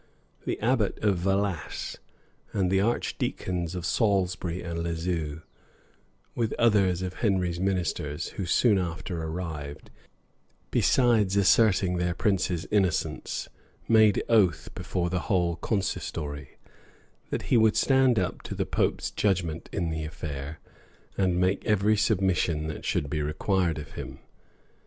The abbot of Valasse, and the archdeacons of Salisbury and Lisieux, with others of Henry's ministers, who soon after arrived, besides asserting their prince's innocence, made oath before the whole consistory, that he would stand to the pope's judgment in the affair, and make every submission that should be required of him.